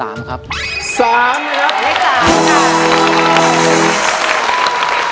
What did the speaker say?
ร้องได้ให้ร้อง